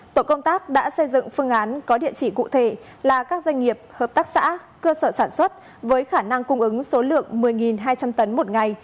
tổ công tác đã xây dựng phương án có địa chỉ cụ thể là các doanh nghiệp hợp tác xã cơ sở sản xuất với khả năng cung ứng số lượng một mươi hai trăm linh tấn một ngày